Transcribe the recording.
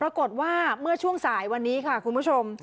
เมื่อช่วงสายวันนี้ค่ะคุณผู้ชม